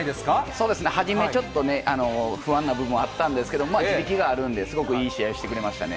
そうですね、初めちょっとね、不安な部分もあったんですけれども、まあ地力があるんで、すごくいい試合をしてくれましたね。